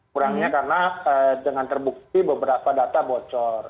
kurangnya karena dengan terbukti beberapa data bocor